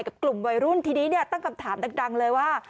กับกลุ่มวัยรุ่นทีนี้เนี่ยตั้งคำถามดังเลยว่า